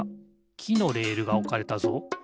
きのレールがおかれたぞ。